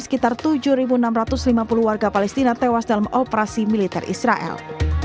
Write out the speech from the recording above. sekitar tujuh enam ratus lima puluh warga palestina tewas dalam operasi militer israel